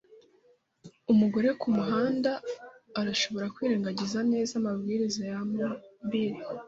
umugore kumuhanda arashobora kwirengagiza neza amabwiriza ya mobile